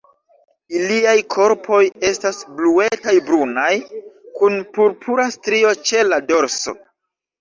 Iliaj korpoj estas bluetaj-brunaj, kun purpura strio ĉe la dorso.